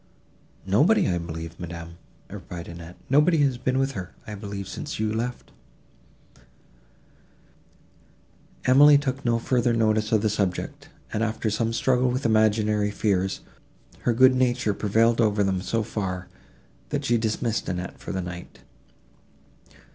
"Nobody, I believe, ma'am," replied Annette, "nobody has been with her, I believe, since I left you." Emily took no further notice of the subject, and, after some struggle with imaginary fears, her good nature prevailed over them so far, that she dismissed Annette for the night.